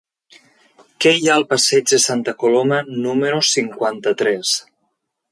Què hi ha al passeig de Santa Coloma número cinquanta-tres?